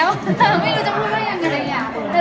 ไม่รู้จะพูดว่าอย่างอะไร